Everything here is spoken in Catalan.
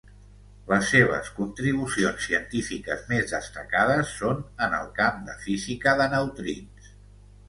Les seves contribucions científiques més destacades són en el camp de física de neutrins.